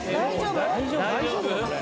大丈夫？